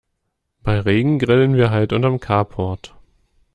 Bei Regen grillen wir halt unterm Carport.